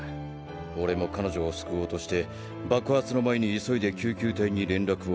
俺も彼女を救おうとして爆発の前に急いで救急隊に連絡を入れたのだが。